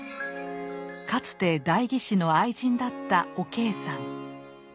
かつて代議士の愛人だったお計さん。